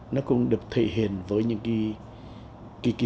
nó cũng được thể hiện với những cái